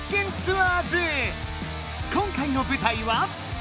今回の舞台は？